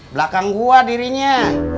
belakang gue dirinya